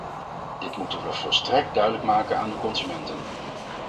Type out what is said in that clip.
Dit moeten we volstrekt duidelijk maken aan de consumenten.